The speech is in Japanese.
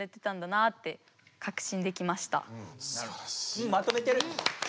うんまとめてる。